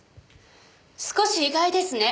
少し意外ですね。